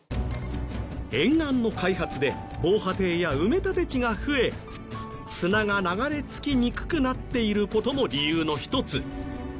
沿岸の開発で防波堤や埋め立て地が増え砂が流れ着きにくくなっている事も理由の１つ。